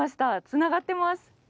つながってます。